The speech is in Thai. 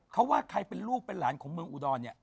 เขาว่าใครเป็นลูกเป็นหลานของเมืองอุดรเนี่ย